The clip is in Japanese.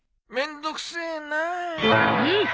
めんどくせえなあ。